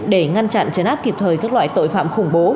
để ngăn chặn chấn áp kịp thời các loại tội phạm khủng bố